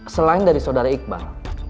selain dari saudara iqbal